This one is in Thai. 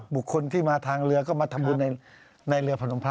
บุคคลที่มาทางเรือก็มาทำบุญในเรือพนมพระ